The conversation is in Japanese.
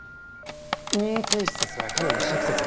任意提出させた亀の飼育設備は？